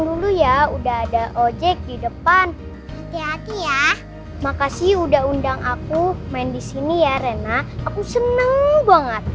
dulu ya udah ada ojek di depan keyaki ya makasih udah undang aku main di sini ya rena aku seneng banget